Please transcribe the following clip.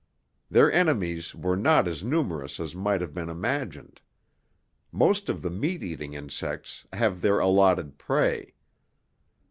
Their enemies were not as numerous as might have been imagined. Most of the meat eating insects have their allotted prey.